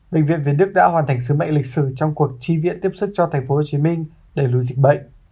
bệnh viện việt đức đã hoàn thành sứ mệnh lịch sử trong cuộc chi viện tiếp sức cho tp hcm để lùi dịch bệnh